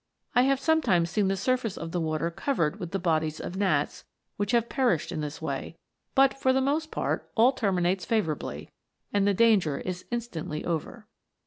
I have sometimes seen the surface of the water covered with the bodies of gnats which had perished in this way ; but for the most part all terminates favour METAMORPHOSES. 151 ably, and the danger is instantly over."